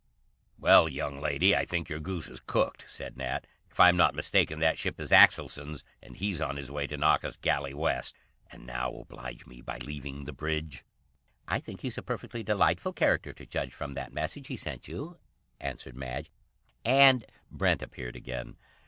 "Well, young lady, I think your goose is cooked," said Nat. "If I'm not mistaken, that ship is Axelson's, and he's on his way to knock us galley west. And now oblige me by leaving the bridge." "I think he's a perfectly delightful character, to judge from that message he sent you," answered Madge, "and " Brent appeared again.